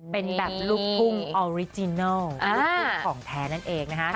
เป็นแบบลูกทุ่งออริจินัลลูกทุ่งของแท้นั่นเองนะคะ